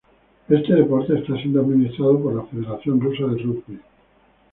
Este deporte está siendo administrado por la Federación Rusa de Rugby.